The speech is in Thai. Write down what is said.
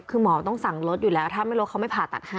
คือหมอต้องสั่งรถอยู่แล้วถ้าไม่ลดเขาไม่ผ่าตัดให้